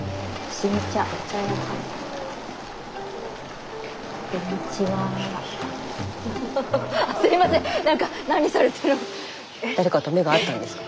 スタジオ誰かと目が合ったんですか？